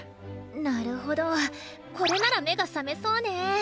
なるほどこれなら目が覚めそうね。